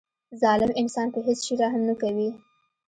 ظالم انسان په هیڅ شي رحم نه کوي.